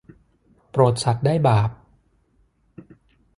โปรดสัตว์ได้บาป